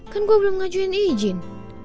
kan gue belum ngajuin izin